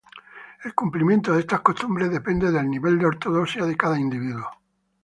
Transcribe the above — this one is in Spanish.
El cumplimiento de estas costumbres depende del nivel de ortodoxia de cada individuo.